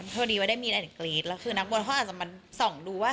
พอดีว่าได้มีอะไรกรี๊ดแล้วคือนักบอลเขาอาจจะมาส่องดูว่า